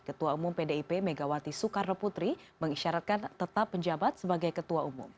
ketua umum pdip megawati soekarno putri mengisyaratkan tetap menjabat sebagai ketua umum